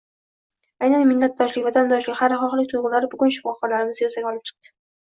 Aynan millatdoshlik, vatandoshlik, xayrixohlik tuygʻulari bugun shifokorlarimizni yuzaga olib chiqdi.